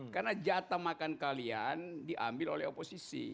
karena jatah makan kalian diambil oleh oposisi